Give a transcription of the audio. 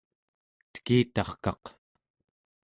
tekitarkaq